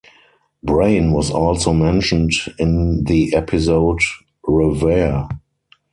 Brain was also mentioned in the episode, "Roverre".